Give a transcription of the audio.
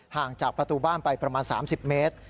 ห่างจากประตูบ้านไปประมาณ๓๐เมตร